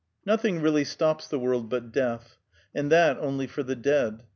Nothing really stops the world but death, and that only for the dead.